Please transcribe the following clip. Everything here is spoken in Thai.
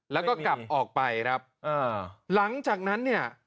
แล้วก็กลับออกไปครับเออหลังจากนั้นเนี่ย